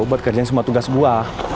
buat kerjain semua tugas gue